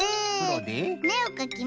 めをかきます。